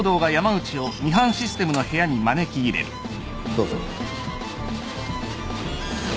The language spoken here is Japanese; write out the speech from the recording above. どうぞ。